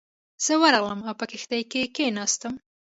زه ورغلم او په کښتۍ کې کېناستم.